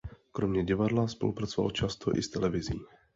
Kromě divadla spolupracoval často i s televizí.